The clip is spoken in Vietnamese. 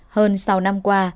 hơn sáu năm qua